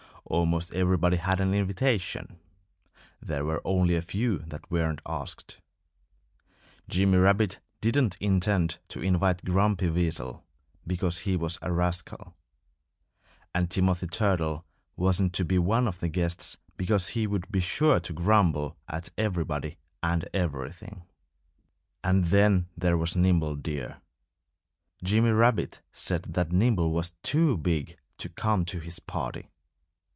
Almost everybody had an invitation. There were only a few that weren't asked. Jimmy Rabbit didn't intend to invite Grumpy Weasel because he was a rascal. And Timothy Turtle wasn't to be one of the guests because he would be sure to grumble at everybody and everything. And then there was Nimble Deer. Jimmy Rabbit said that Nimble was too big to come to his party.